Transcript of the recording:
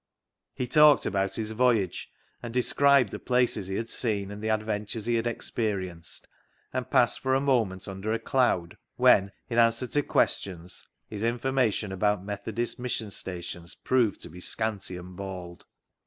He talked about his voyage, and described the places he had seen and the adventures he had experienced, and passed for a moment under a cloud when, in answer to questions, his in formation about Methodist mission stations proved to be scanty and bald.